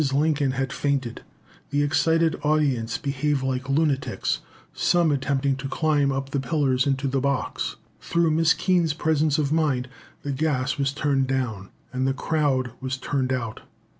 Lincoln had fainted, the excited audience behaved like lunatics, some attempting to climb up the pillars into the box. Through Miss Keene's presence of mind, the gas was turned down, and the crowd was turned out.